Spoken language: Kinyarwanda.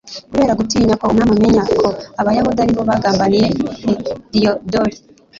kubera gutinya ko umwami yakeka ko abayahudi ari bo bagambaniye heliyodori